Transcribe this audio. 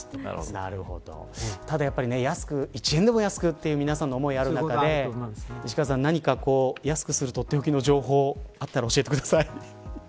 ただ１円でも安くという皆さんの思いがある中で石川さん、何か安くするとっておきの情報があったら教えてください。